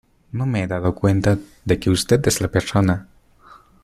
no me he dado cuenta de que usted es la persona